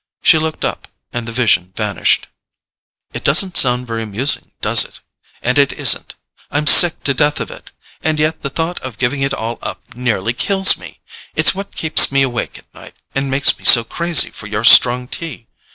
She looked up, and the vision vanished. "It doesn't sound very amusing, does it? And it isn't—I'm sick to death of it! And yet the thought of giving it all up nearly kills me—it's what keeps me awake at night, and makes me so crazy for your strong tea.